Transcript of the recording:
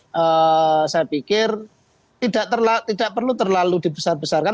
semacam ini saya pikir tidak perlu terlalu dibesar besarkan